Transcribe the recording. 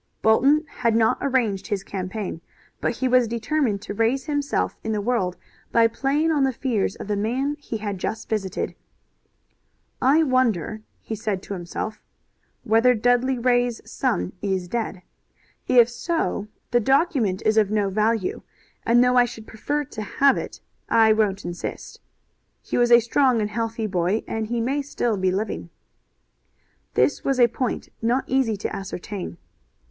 Bolton had not arranged his campaign, but he was determined to raise himself in the world by playing on the fears of the man he had just visited. "I wonder," he said to himself, "whether Dudley Ray's son is dead. If so the document is of no value, and though I should prefer to have it, I won't insist. He was a strong and healthy boy, and he may still be living." This was a point not easy to ascertain.